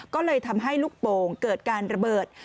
ก็เลยทำให้ลูกโป่งเกิดการระเบิด